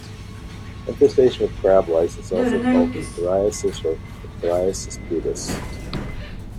Infestation with crab lice is also called "phthiriasis" or "phthiriasis pubis".